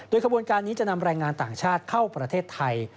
ขบวนการนี้จะนำแรงงานต่างชาติเข้าประเทศไทย